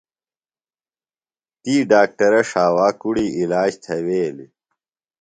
تی ڈاکٹرہ ݜاوا کُڑی علاج تھویلیۡ۔